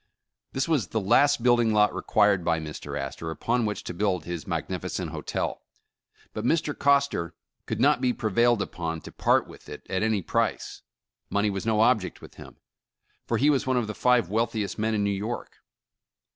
This was the last building lot required by Mr. Astor upon 265 The Original John Jacob Astor which to build his magnificent hotel, but Mr. Coster could not be prevailed upon to part with it at any price. Money was no object with him, for he was one of the five wealthiest men in New York.